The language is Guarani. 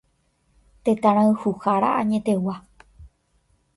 Tetãrayhuhára añetegua.